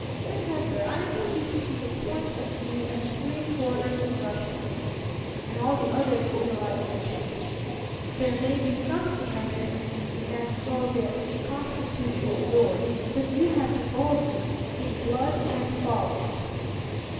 Remember, I am speaking from the point of view as three quarters of Russia see it, and all the other civilized nations. There may be something magnificent in that soviet constitution of yours; but you have deluged it in blood and folly.